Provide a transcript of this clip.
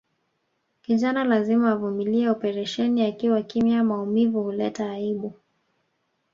Kijana lazima avumilie operesheni akiwa kimya maumivu huleta aibu